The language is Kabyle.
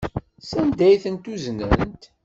Sanda ay tent-uznent?